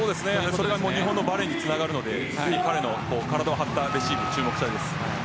これが日本のバレーにつながるので彼の体を張ったレシーブに注目したいです。